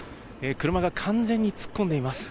車が完全に突っ込んでいます。